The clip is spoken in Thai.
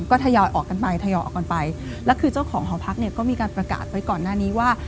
ก็ทยอยออกกันไปทยอยออกกันไปแล้วคือเจ้าของหอพักเนี่ยก็มีการประกาศไว้ก่อนหน้านี้ว่า